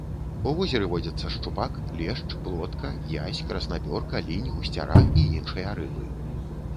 У возеры водзяцца шчупак, лешч, плотка, язь, краснапёрка, лінь, гусцяра і іншыя рыбы.